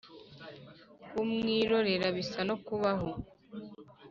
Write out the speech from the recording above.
Kumwirorera bisa no kubaho